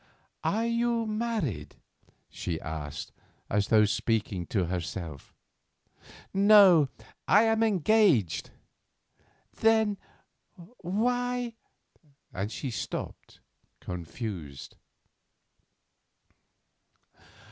"Are you married?" she asked, as though speaking to herself. "No; I am engaged." "Then, why——" and she stopped, confused.